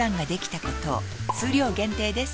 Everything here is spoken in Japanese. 数量限定です